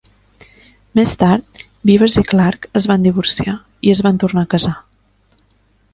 Més tard, Beavers i Clark es van divorciar, i es van tornar a casar.